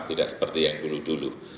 tidak seperti yang dulu dulu